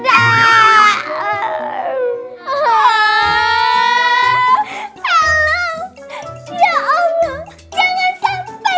ya allah jangan sampai